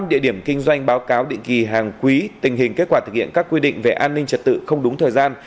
năm địa điểm kinh doanh báo cáo định kỳ hàng quý tình hình kết quả thực hiện các quy định về an ninh trật tự không đúng thời gian